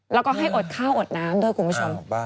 แล้วก็ให้อดข้าวอดน้ำด้วยคุณผู้ชม